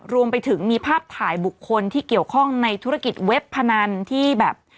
รวมไปถึงมีภาพถ่ายบุคคลที่เกี่ยวข้องในธุรกิจเว็บพนันที่แบบ